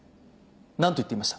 何と言っていました？